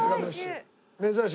珍しい。